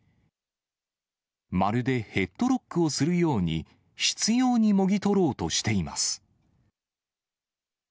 まるでヘッドロックをするように執ようにもぎ取ろうとしています。